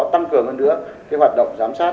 tăng cường hơn nữa hoạt động giám sát